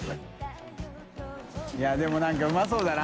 いでもなんかうまそうだな。